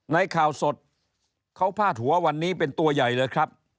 ในข่าวสดเขาพาดหัววันนี้เป็นตัวใหญ่เลยครับ